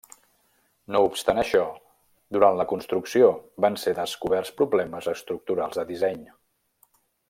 No obstant això, durant la construcció, van ser descoberts problemes estructurals de disseny.